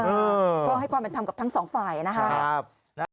เออก็ให้ความเป็นธรรมกับทั้งสองฝ่ายนะครับ